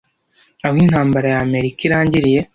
Aho intambara ya amerika irangiriye